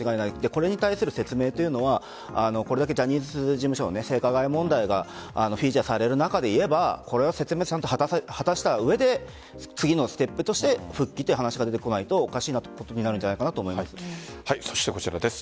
これに対する説明というのはこれだけ、ジャニーズ事務所が性加害問題がフィーチャーされる中でいえばこれは説明を果たした上で次のステップとして復帰という話が出てこないとおかしなことになるんじゃないかそしてこちらです。